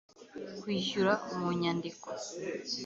kwishyura mu nyandiko